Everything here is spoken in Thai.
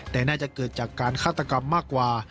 แต่น่าจะเกิดจากการฆาตกรรมมากกว่า